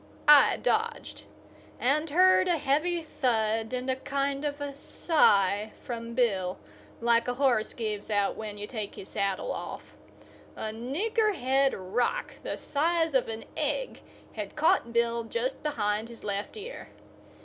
I dodged, and heard a heavy thud and a kind of a sigh from Bill, like a horse gives out when you take his saddle off. A niggerhead rock the size of an egg had caught Bill just behind his left ear.